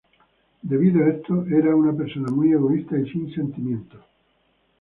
Debido a esto, era una persona muy egoísta y sin sentimientos.